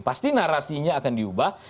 pasti narasinya akan diubah